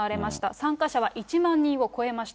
参加者は１万人を超えました。